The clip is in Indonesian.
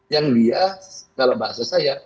yang dia kalau bahasa saya